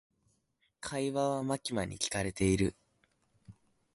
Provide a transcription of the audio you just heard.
会話はマキマに聞かれている。